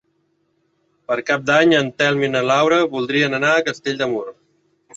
Per Cap d'Any en Telm i na Laura voldrien anar a Castell de Mur.